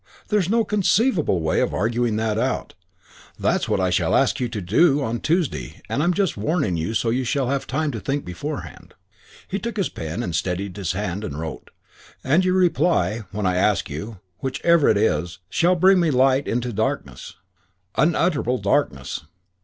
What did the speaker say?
There's no conceivable way of arguing out of that. That's what I shall ask you to do on Tuesday and I'm just warning you so you shall have time to think beforehand." He took his pen, and steadied his hand, and wrote: "And your reply, when I ask you, whichever it is, shall bring me light into darkness, unutterable darkness.